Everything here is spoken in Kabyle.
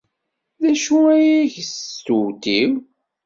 D acu ay ak-d-testewtiw?